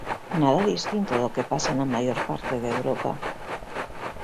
Nada distinto do que pasa na maior parte de Europa.